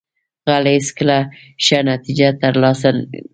غل هیڅکله ښه نتیجه نه ترلاسه کوي